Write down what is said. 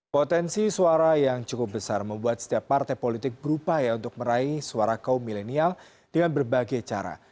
potensi suara yang cukup besar membuat setiap partai politik berupaya untuk meraih suara kaum milenial dengan berbagai cara